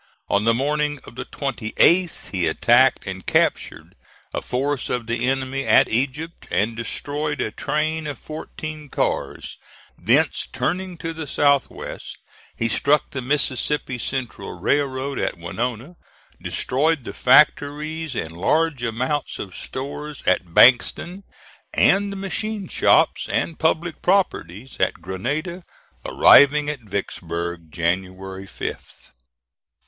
On the morning of the 28th he attacked and captured a force of the enemy at Egypt, and destroyed a train of fourteen cars; thence turning to the south west, he struck the Mississippi Central Railroad at Winona, destroyed the factories and large amounts of stores at Bankston, and the machine shops and public property at Grenada, arriving at Vicksburg January 5th.